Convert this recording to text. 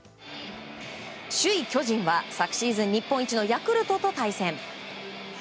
首位、巨人は昨シーズン日本一のヤクルトと対戦。